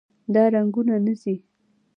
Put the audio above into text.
دا رنګونه نه ځي.